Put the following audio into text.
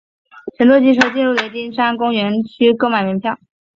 乘坐汽车进入雷丁山国家公园需购买门票。